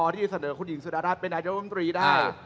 ที่เสนอคุณหญิงสุดารัฐเป็นนายกรรมตรีได้